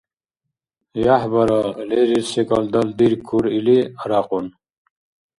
— ЯхӀбара, лерил секӀал далдиркур, — или, арякьун.